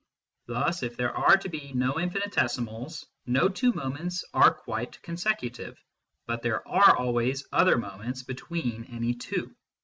Thus if there are to be no infinitesimals, no two moments are quite con secutive, but there are always other moments between any two.